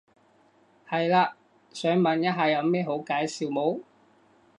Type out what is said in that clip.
係嘞，想問一下有咩好介紹冇？